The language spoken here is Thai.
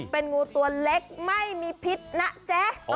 เป็นงูตัวเล็กไม่มีพิษนะเจ๊